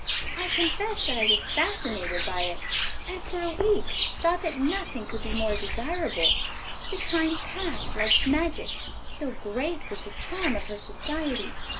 I confess that I was fascinated by it, and for a week thought that nothing could be more desirable; the time passed like magic, so great was the charm of her society.